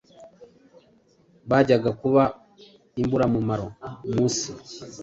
bajyaga kuba imburamumaro mu isi,